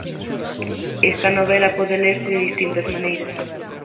Esta novela pode lerse de distintas maneiras.